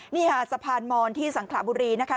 นี่ค่ะสะพานมอนที่สังขลาบุรีนะคะ